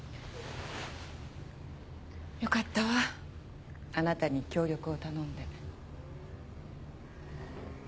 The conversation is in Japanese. よかったわあなたに協力を頼んで。